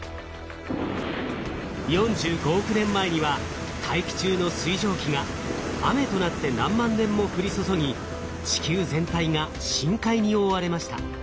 ４５億年前には大気中の水蒸気が雨となって何万年も降り注ぎ地球全体が深海に覆われました。